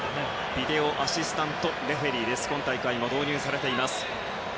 ビデオアシスタントレフェリーが今大会も導入されています。